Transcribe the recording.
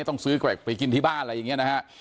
ต้องซื้อเกร็กไปกินที่บ้านอะไรอย่างนี้นะฮะ